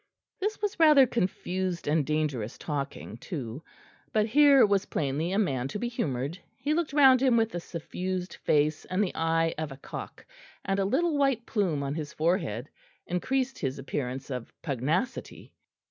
This was rather confused and dangerous talking too; but here was plainly a man to be humoured; he looked round him with a suffused face and the eye of a cock, and a little white plume on his forehead increased his appearance of pugnacity.